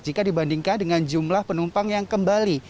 jika dibandingkan dengan jumlah penumpang yang kembali